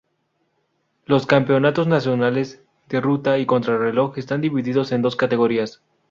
Los Campeonatos nacionales de ruta y contrarreloj están divididos en dos categorías.